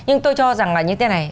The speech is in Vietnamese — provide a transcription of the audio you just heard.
nhưng tôi cho rằng là như thế này